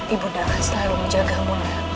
ibunda akan selalu menjagamu